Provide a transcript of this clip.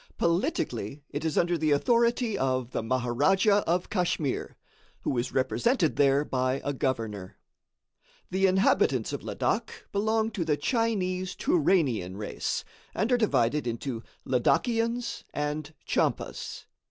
Politically, it is under the authority of the Maharadja of Kachmyr, who is represented there by a governor. The inhabitants of Ladak belong to the Chinese Touranian race, and are divided into Ladakians and Tchampas.